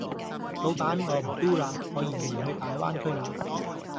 老闆我唔 Do 啦，我移民去大灣區啦